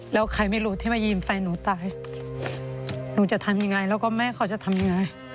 แล้วใครไม่รู้ที่มายิงแฟนหนูตายหนูจะทำยังไงแล้วก็แม่เขาจะทำยังไง